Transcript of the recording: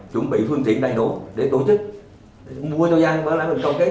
chuẩn bị phương tiện đầy đủ để tổ chức mua cho gian và lại công kết